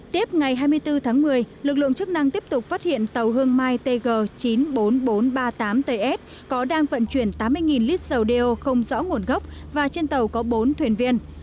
tiếp ngày hai mươi bốn tháng một mươi lực lượng chức năng tiếp tục phát hiện tàu hương mai tg chín mươi bốn nghìn bốn trăm ba mươi tám ts có đang vận chuyển tám mươi lít dầu đeo không rõ nguồn gốc và trên tàu có bốn thuyền viên